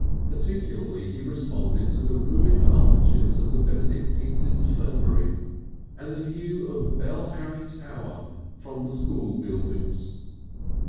Particularly he responded to the ruined arches of the Benedictine's Infirmary and the view of Bell Harry tower from the school buildings.